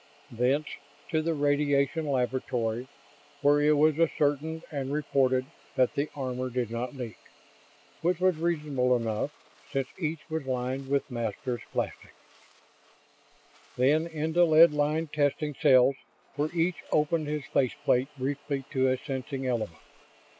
Thence to the Radiation Laboratory, where it was ascertained and reported that the armor did not leak which was reasonable enough, since each was lined with Masters' plastics. Then into lead lined testing cells, where each opened his face plate briefly to a sensing element.